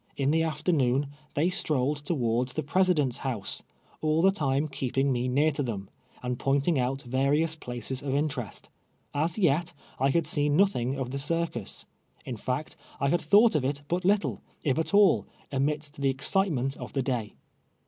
In the afternoon, they strolled towards the Presi dent's House, all the time keeping me near to them, and pointing out various places of interest. As yet, I had seen nothing of the circus. In fact, 1 had thought of it but little, if at all, amidst the excite ment of the day.